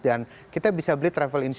dan kita bisa beli travel insurance